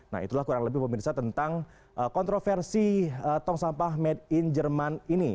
nah itulah kurang lebih pemirsa tentang kontroversi tong sampah made in jerman ini